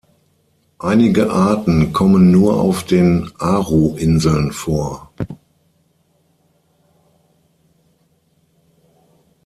Einige Arten kommen nur auf den Aru-Inseln vor.